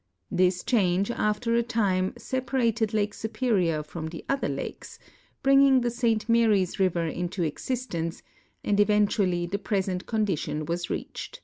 This change after a time separated Lake Superior from the other lakes, bring MODIFICATION OF THE (iREAT LAKES 2:57 ing the St Marys river into existence, and eventually the present condition was reacht.